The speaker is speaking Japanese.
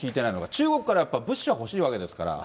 中国からやっぱ物資は欲しいわけですから。